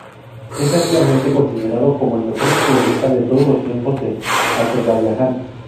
Es ampliamente considerado como el mejor futbolista de todos los tiempos de Azerbaiyán.